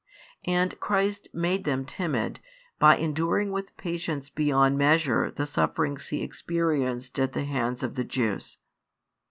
And Christ made them timid, by enduring with patience beyond measure the sufferings He experienced at the hands of the Jews.